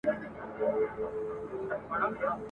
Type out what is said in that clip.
پر اصفهان دي د تورو شرنګ وو ..